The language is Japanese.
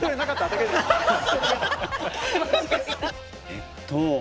えっと